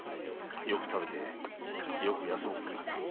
よく食べてよく休むことだ。